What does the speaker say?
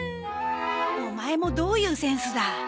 オマエもどういうセンスだ。